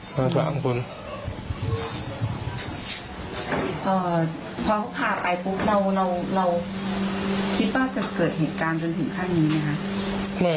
เอ่อพอเขาพาไปปุ๊บเราเราเราคิดว่าจะเกิดเหตุการณ์จนถึงทั้งนี้ไหมฮะ